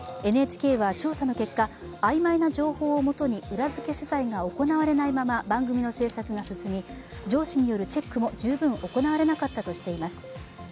ＮＨＫは調査の結果曖昧な情報をもとに裏付け取材が行われないまま番組の制作が進み、上司によるチェックも十分行われなかったとしています。